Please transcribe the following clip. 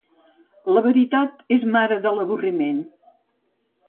La veritat és mare de l'avorriment.